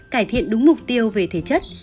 cải thiện đúng mục tiêu về thể chất